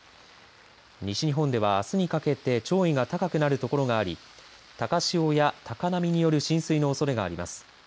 西日本では、あすにかけて潮位が高くなるところがあり、高潮や高波による浸水のおそれがあります。